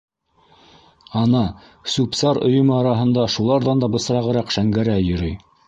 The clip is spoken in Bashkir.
Ана, сүп-сар өйөмө араһында шуларҙан да бысрағыраҡ Шәнгәрәй йөрөй.